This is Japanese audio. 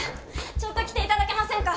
ちょっと来て頂けませんか？